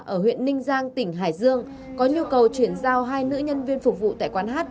ở huyện ninh giang tỉnh hải dương có nhu cầu chuyển giao hai nữ nhân viên phục vụ tại quán hát